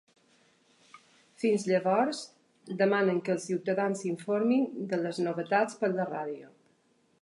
Fins llavors, demanen que els ciutadans s’informin de les novetats per la ràdio.